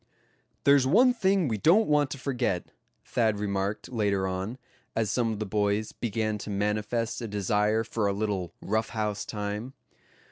"There's one thing we don't want to forget," Thad remarked later on, as some of the boys began to manifest a desire for a little "rough house" time.